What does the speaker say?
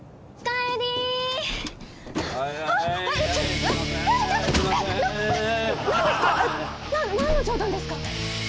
えっ？何の冗談ですか？